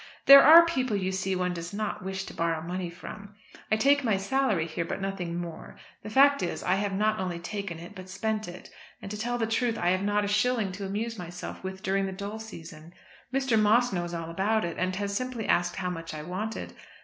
There are people, you see, one does not wish to borrow money from. I take my salary here, but nothing more. The fact is, I have not only taken it, but spent it, and to tell the truth, I have not a shilling to amuse myself with during the dull season. Mr. Moss knows all about it, and has simply asked how much I wanted.